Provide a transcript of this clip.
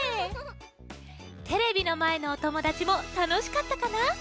テレビのまえのおともだちもたのしかったかな？